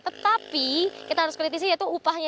tetapi kita harus kritisi yaitu upahnya